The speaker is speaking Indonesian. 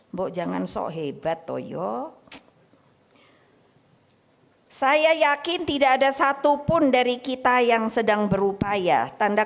mbok jangan so hebat toyo saya yakin tidak ada satupun dari kita yang sedang berupaya tanda